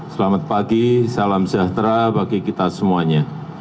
selamat pagi salam sejahtera bagi kita semuanya